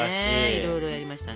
いろいろやりましたね。